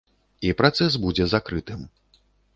І працэс будзе закрытым.